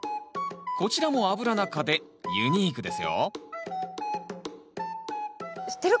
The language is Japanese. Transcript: こちらもアブラナ科でユニークですよ知ってるかな？